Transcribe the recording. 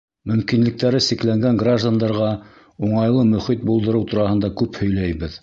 Мөмкинлектәре сикләнгән граждандарға уңайлы мөхит булдырыу тураһында күп һөйләйбеҙ.